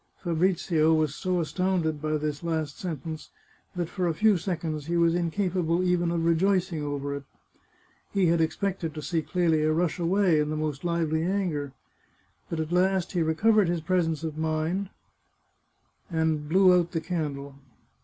Fabrizio was so astounded by this last sentence that, for a few seconds, he was incapable even of rejoicing over it. He had expected to see Clelia rush away in the most lively anger. But at last he recovered his presence of mind, and blew out the candle.